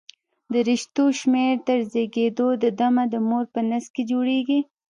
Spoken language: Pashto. د رشتو شمېر تر زېږېدو د مه د مور په نس کې جوړېږي.